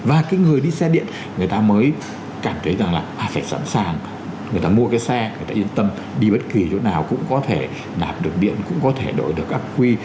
và cái người đi xe điện người ta mới cảm thấy rằng là sẽ sẵn sàng người ta mua cái xe người ta yên tâm đi bất kỳ chỗ nào cũng có thể nạp được điện cũng có thể đổi được áp quy